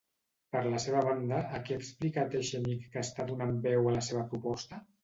Per la seva banda, a qui ha explicat Echenique que estan donant veu amb la seva proposta?